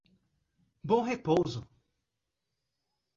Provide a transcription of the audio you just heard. Bom Repouso